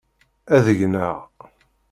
Ad gneɣ.